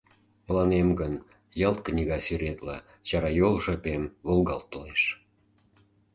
Мыланем гын ялт книга сӱретла чарайол жапем волгалт толеш.